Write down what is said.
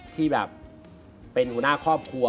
ที่แบบเป็นหัวหน้าครอบครัว